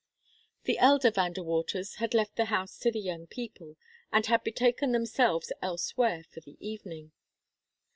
The elder Van De Waters had left the house to the young people, and had betaken themselves elsewhere for the evening.